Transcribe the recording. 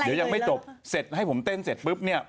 เดี๋ยวยังไม่จบเสร็จให้ผมเต้นเสร็จปุ๊บเนี่ย